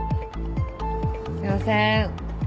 すいません。